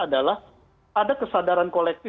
adalah ada kesadaran koleksi